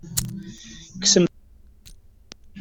Kksemt-tent.